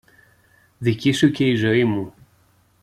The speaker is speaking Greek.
δική σου και η ζωή μου!